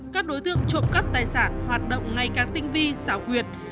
các đối tượng trộm cắp tài sản hoạt động ngày càng tinh vi xảo quyệt